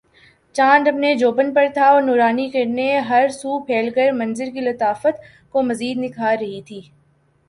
چاند اپنے جوبن پر تھا اور نورانی کرنیں ہر سو پھیل کر منظر کی لطافت کو مزید نکھار رہی تھیں